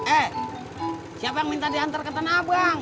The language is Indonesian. eh siapa yang minta diantar ke tanabang